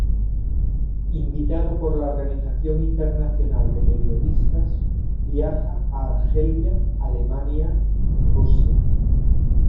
Invitado por la Organización Internacional de Periodistas viaja a Argelia, Alemania, Rusia.